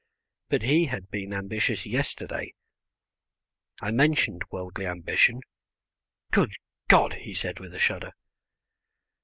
But he had been ambitious yesterday. I mentioned worldly ambition. "Good God!" he said with a shudder.